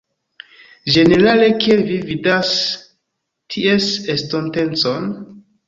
Ĝenerale kiel vi vidas ties estontecon?